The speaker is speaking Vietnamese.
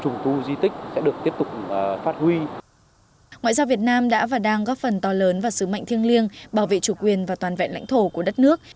ngoại giao việt nam đã và đang góp phần to lớn và sứ mệnh thiêng liêng bảo vệ chủ quyền và toàn vẹn lãnh thổ của đất nước